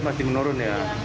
masih menurun ya